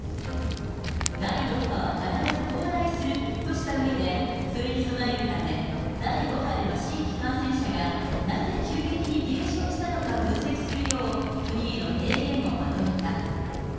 第６波は必ず到来するとしたうえで、それに備えるため、第５波での新規感染者がなぜ急激に減少したのか分析するよう、国への提言をまとめた。